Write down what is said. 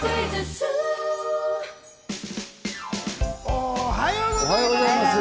おはようございます。